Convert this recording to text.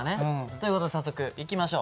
ということで早速いきましょう。